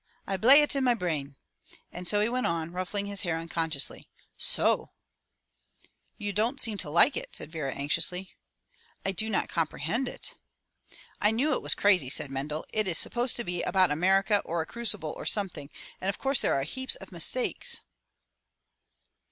I blay it in my brain." And he went on reading, ruffling his hair unconsciously, — "So!'* You don't seem to like it ," said Vera anxiously. "I do not comprehend it." "I knew it was crazy," said Mendel. "It is supposed to be about America or a crucible or something. And of course there are heaps of mistakes."